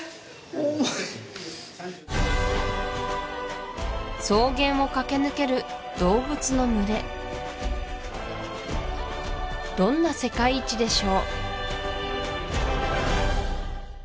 重い草原を駆け抜ける動物の群れどんな世界一でしょう